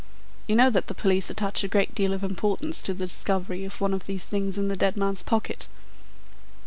You know that the police attach a great deal of importance to the discovery of one of these things in the dead man's pocket?"